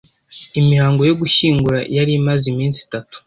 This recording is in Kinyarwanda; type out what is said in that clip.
Imihango yo gushyingura yari imaze iminsi itatu.